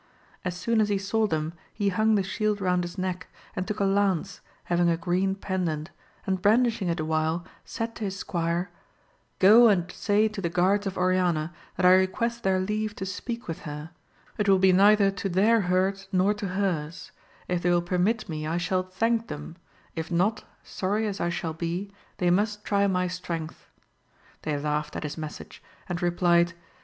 As ^oon as he saw them he hung the shield round his neck and took a lance having a green pendant, and brandishing it awhile, said to his squire, Go and say to the guards of Oriana that I request their leave to speak with her ; it will be neither to their hurt nor to hers ; if they will permit me I shall thank them, if not, sorry as I shall be, they must try my strength. They laughed at his message, and re plied.